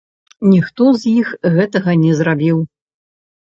Ніхто з іх гэтага не зрабіў.